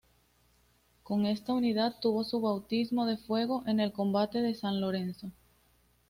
Con esta unidad tuvo su bautismo de fuego en el combate de San Lorenzo.